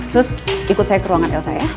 sus ikut saya ke ruangan elsa ya